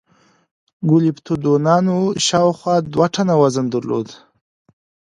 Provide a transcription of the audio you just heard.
ګلیپتودونانو شاوخوا دوه ټنه وزن درلود.